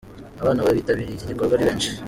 Abana bitabiriye iki gikorwa ari benshi.